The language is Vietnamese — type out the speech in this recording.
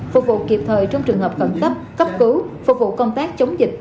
phục vụ kịp thời trong trường hợp khẩn cấp cấp cứu phục vụ công tác chống dịch